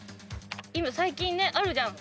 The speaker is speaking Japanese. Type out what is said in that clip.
最近ねあるじゃん。